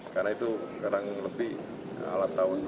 karena itu kadang lebih alat tahun dua ribu sebelas